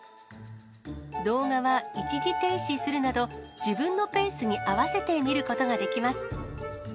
動画は一時停止するなど、自分のペースに合わせて見ることができます。